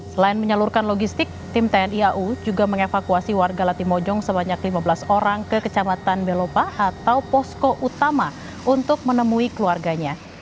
selain menyalurkan logistik tim tni au juga mengevakuasi warga latimojong sebanyak lima belas orang ke kecamatan belopa atau posko utama untuk menemui keluarganya